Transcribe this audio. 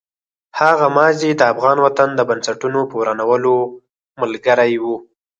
هغه ماضي د افغان وطن د بنسټونو په ورانولو ملګرې وه.